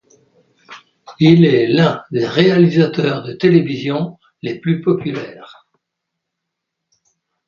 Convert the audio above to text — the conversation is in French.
Il est l'un des réalisateurs de télévision les plus populaires.